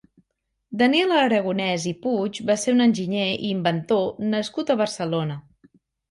Daniel Aragonès i Puig va ser un enginyer i inventor nascut a Barcelona.